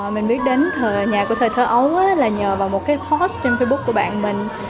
mình biết đến nhà của thời thơ ấu là nhờ vào một cái post trên facebook của bạn mình